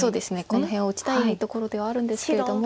この辺を打ちたいところではあるんですけれども。